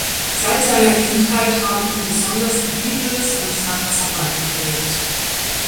Seit seiner Kindheit haben ihn besonders die Beatles und Frank Zappa geprägt.